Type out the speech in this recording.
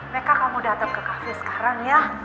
mereka kamu datang ke cafe sekarang ya